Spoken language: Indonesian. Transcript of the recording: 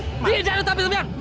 tidak ada tapi sebenarnya